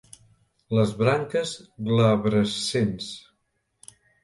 Les branques glabrescents.